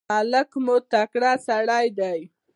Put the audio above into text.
ملک مو تکړه سړی دی.